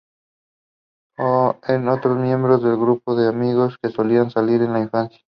Es otra miembro del grupo de amigos que solía salir en la infancia.